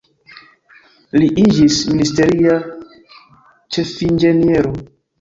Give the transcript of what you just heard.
Li iĝis ministeria ĉefinĝeniero.